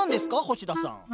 星田さん。